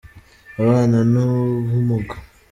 abana n'ubumuga.